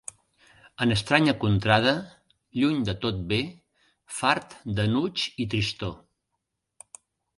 En estranya contrada, lluny de tot bé, fart d'enuig i tristor.